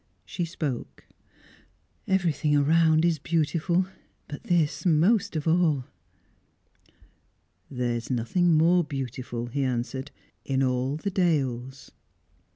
She spoke. "Everything around is beautiful, but this most of all." "There is nothing more beautiful," he answered, "in all the dales."